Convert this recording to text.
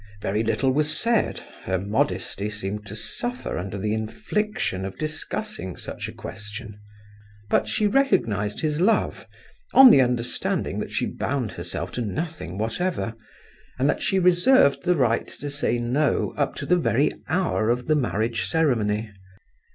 Very little was said—her modesty seemed to suffer under the infliction of discussing such a question. But she recognized his love, on the understanding that she bound herself to nothing whatever, and that she reserved the right to say "no" up to the very hour of the marriage ceremony.